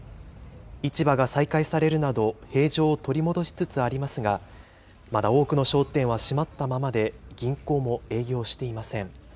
市場が再開されるなど、平常を取り戻しつつありますが、まだ多くの商店は閉まったままで、銀行も営業していません。